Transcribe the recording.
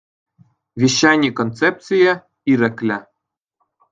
Вещани концепцийӗ – «ирӗклӗ».